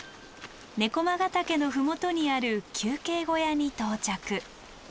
猫魔ヶ岳の麓にある休憩小屋に到着。